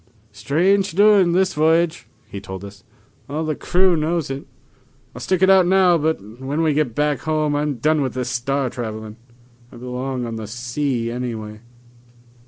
"Strange doings this voyage," he told us. "All the crew knows it. I'll stick it out now, but when we get back home I'm done with this star travelin'. I belong on the sea anyway."